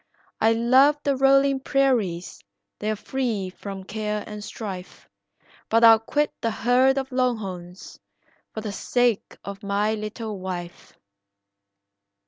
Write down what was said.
I love the rolling prairies, they're free from care and strife, But I'll quit the herd of longhorns for the sake of my little wife."